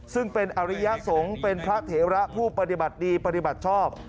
ซึ่งเป็นอริยสงฆ์เป็นพระเถระผู้ปฏิบัติดีปฏิบัติชอบ